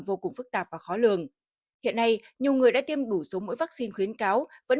vô cùng phức tạp và khó lường hiện nay nhiều người đã tiêm đủ số mỗi vaccine khuyến cáo vẫn